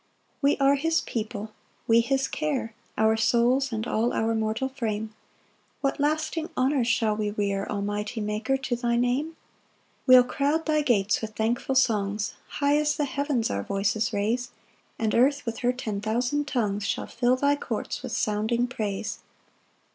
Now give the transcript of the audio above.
4 We are his people, we his care, Our souls and all our mortal frame: What lasting honours shall we rear, Almighty Maker, to thy Name! 5 We'll crowd thy gates with thankful songs, High as the heavens our voices raise; And earth with her ten thousand tongues Shall fill thy courts with sounding praise.